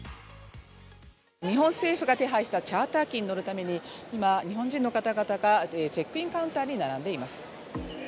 日本政府が手配したチャーター機に乗るために今、日本人の方々がチェックインカウンターに並んでいます。